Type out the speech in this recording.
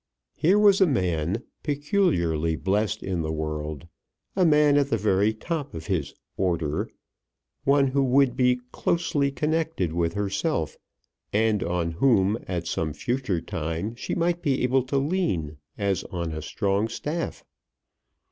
Here was a man peculiarly blessed in the world, a man at the very top of his "order," one who would be closely connected with herself, and on whom at some future time she might be able to lean as on a strong staff.